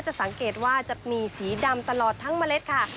จะสังเกตว่าจะมีสีดำตลอดทั้งเมล็ดค่ะ